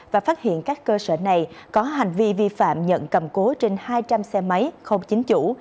và phát hiện các cơ sở này có hành vi vi phạm nhận cầm cố trên hai trăm linh xe máy không chính chủ